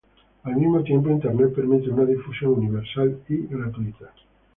Al mismo tiempo, Internet permite un difusión universal y gratuita.